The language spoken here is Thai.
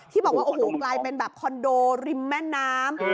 ที่บอกว่าโอ้โหกลายเป็นแบบคอนโดริมแม่น้ำ